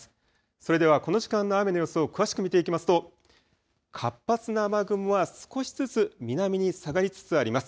それではこの時間の雨の予想、詳しく見ていきますと活発な雨雲は少しずつ南に下がりつつあります。